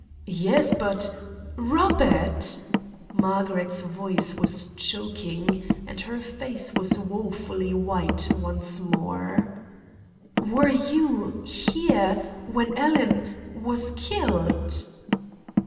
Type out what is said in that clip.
"Yes, but " "Robert! " Margaret's voice was choking, and her face was woefully white once more "were you here when Alan was killed?"